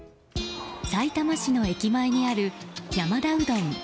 さいたま市の駅前にある山田うどん